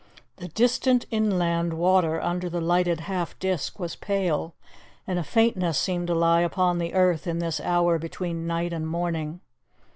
The distant inland water under the lighted half disc was pale, and a faintness seemed to lie upon the earth in this hour between night and morning.